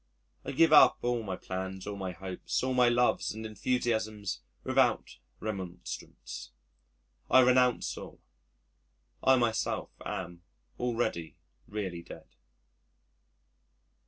I give up all my plans, all my hopes, all my loves and enthusiasms without remonstrance. I renounce all I myself am already really dead.